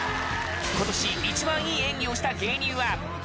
今年一番いい演技をした芸人は？